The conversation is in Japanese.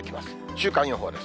週間予報です。